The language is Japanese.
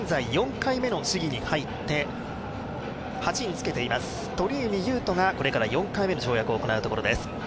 現在４回目の試技に入って、８位につけています鳥海勇斗がこれから４回目の試技に入ります。